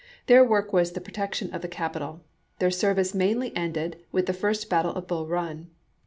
Their work was the protection of the capital ; their service mainly ended with the first battle of Bull Run.